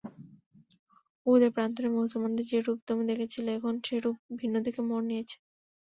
উহুদ প্রান্তরে মুসলমানদের যে রূপ তুমি দেখেছিলে এখন সে রূপ ভিন্ন দিকে মোড় নিয়েছে।